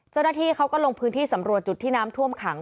เจ้าหน้าที่เขาก็ลงพื้นที่สำรวจจุดที่น้ำท่วมขัง